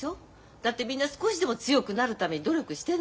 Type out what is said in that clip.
だってみんな少しでも強くなるために努力してんだもの。